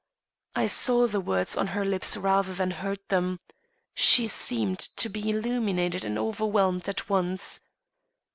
I saw the words on her lips rather than heard them. She seemed to be illumined and overwhelmed at once.